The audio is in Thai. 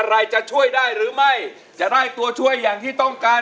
ว่าจะใช้บรรเทาหรอกอยากแต่งงาน